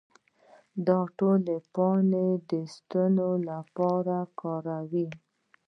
د توت پاڼې د ستوني لپاره وکاروئ